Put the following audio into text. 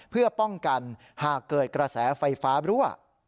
เพื่อป้องกันหากเกิดกระแสไฟฟ้ารั่ว